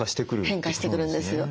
変化してくるんですよ。